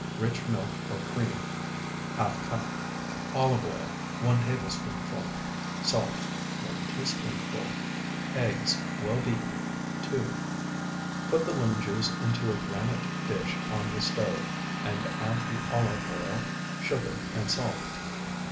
Rich milk or cream, ½ cup. Olive oil, 1 tablespoonful. Salt, 1 teaspoonful. Eggs well beaten, 2. Put the lemon juice into a granite dish on the stove, and add the olive oil, sugar, and salt.